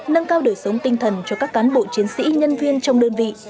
nâng cao đời sống tinh thần cho các cán bộ chiến sĩ nhân viên trong đơn vị